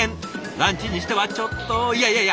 ランチにしてはちょっといやいやいや